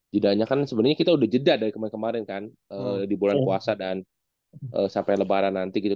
jedanya kan sebenarnya kita udah jeda dari kemarin kemarin kan di bulan puasa dan sampai lebaran nanti gitu